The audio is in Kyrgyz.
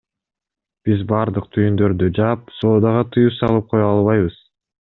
Биз бардык түйүндөрдү жаап, соодага тыюу салып кое албайбыз.